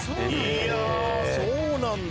いやそうなんだ。